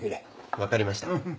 分かりました。